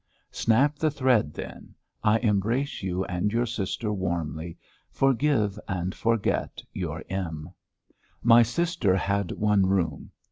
Snap the thread then. I embrace you and your sister warmly. Forgive and forget your M." My sister had one room.